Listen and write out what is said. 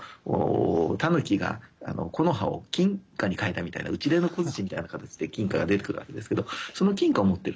タヌキが木の葉を金貨に変えたみたいな打ち出の小づちみたいな形で金貨が出てくるわけですけどその金貨を持っている。